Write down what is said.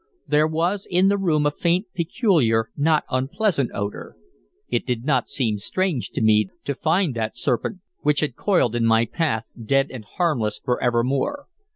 There was in the room a faint, peculiar, not unpleasant odor. It did not seem strange to me to find that serpent, which had coiled in my path, dead and harmless for evermore.